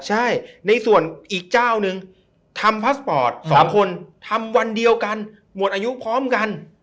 ใช่ในส่วนอีกเจ้านึงทำพาสปอร์ต๒คนทำวันเดียวกันหมดอายุพร้อมกัน